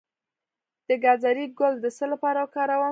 د ګازرې ګل د څه لپاره وکاروم؟